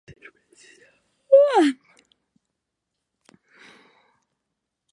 Estas fuerzas contaban para más de dos divisiones de la Segunda Guerra Mundial.